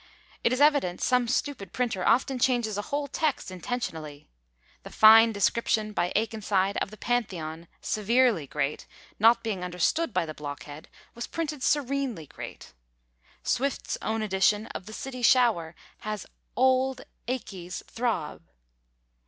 It is evident some stupid printer often changes a whole text intentionally. The fine description by Akenside of the Pantheon, "SEVERELY great," not being understood by the blockhead, was printed serenely great. Swift's own edition of "The City Shower," has "old ACHES throb."